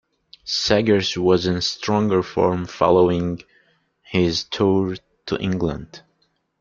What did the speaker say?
Saggers was in stronger form following his tour to England.